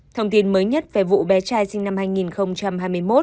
thông tin mới nhất về vụ bé trai sinh năm hai nghìn hai mươi một